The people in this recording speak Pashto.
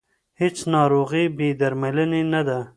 هیڅ ناروغي بې درملنې نه ده.